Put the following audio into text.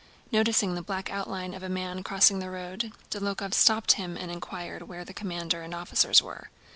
Noticing the black outline of a man crossing the road, Dólokhov stopped him and inquired where the commander and officers were.